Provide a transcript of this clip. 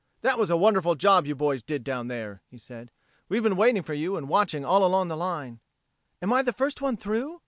"That was a wonderful job you boys did down there," he said. "We've been waiting for you and watching all along the line." "Am I the first one through?"